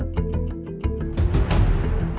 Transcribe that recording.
ได้ไหม